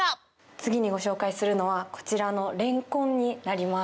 次にご紹介するのはこちらのレンコンになります。